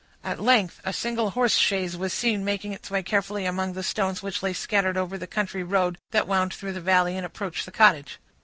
At length, a single horse chaise was seen making its way carefully among the stones which lay scattered over the country road that wound through the valley, and approached the cottage.